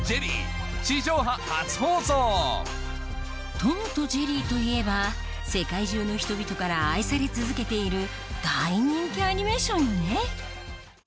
『トムとジェリー』といえば世界中の人々から愛され続けている大人気アニメーションよね？